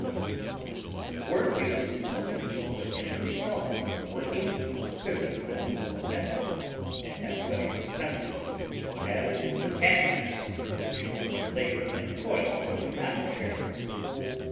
Work is also used for any result of working, physical or mental, and has special senses, as in mechanics, which labor and toil do not share.